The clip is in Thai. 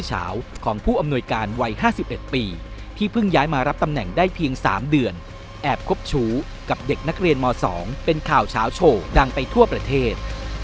ของผู้อำนวยการวัย๕๑ปีที่เพิ่งย้ายมารับตำแหน่งได้เพียง๓เดือนแอบคบชู้กับเด็กนักเรียนม๒เป็นข่าวเช้าโชว์ดังไปทั่วประเทศ